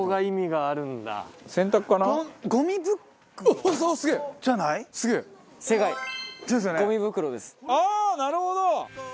ああなるほど！